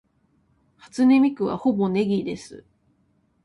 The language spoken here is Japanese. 初音ミクはほぼネギです